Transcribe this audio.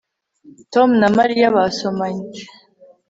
Tom na Mariya basomanye